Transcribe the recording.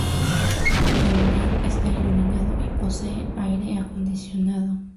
El lugar está iluminado y posee aire acondicionado.